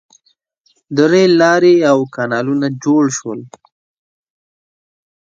• د رېل لارې او کانالونه جوړ شول.